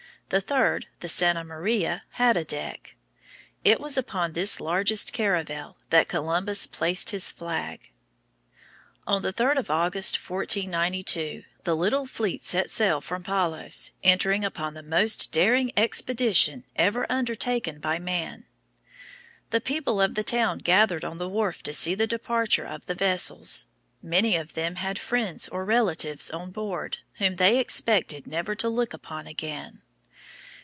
The third, the Santa Maria, had a deck. It was upon this largest caravel that Columbus placed his flag. On the 3d of August, 1492, the little fleet set sail from Palos, entering upon the most daring expedition ever undertaken by man. The people of the town gathered on the wharf to see the departure of the vessels. Many of them had friends or relatives on board whom they expected never to look upon again.